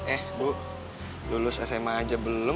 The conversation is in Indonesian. eh bu lulus sma aja belum